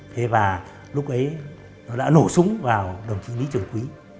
thế và lúc ấy nó đã nổ súng vào đồng chí lý trường quý